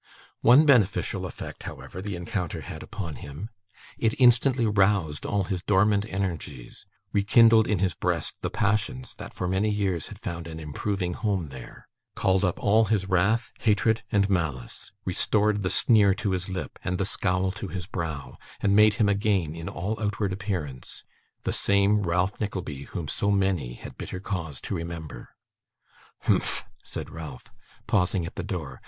One beneficial effect, however, the encounter had upon him. It instantly roused all his dormant energies; rekindled in his breast the passions that, for many years, had found an improving home there; called up all his wrath, hatred, and malice; restored the sneer to his lip, and the scowl to his brow; and made him again, in all outward appearance, the same Ralph Nickleby whom so many had bitter cause to remember. 'Humph!' said Ralph, pausing at the door.